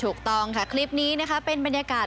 ถูกต้องค่ะคลิปนี้นะคะเป็นบรรยากาศ